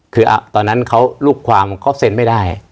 คือตอนนั้นเขาลูกความเขาเซ็นไม่ได้